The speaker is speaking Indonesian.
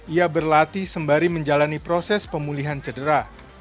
ia berlatih sembari menjalani proses pemulihan cedera